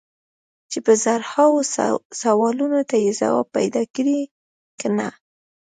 چې په زرهاوو سوالونو ته یې ځواب پیدا کړی که نه.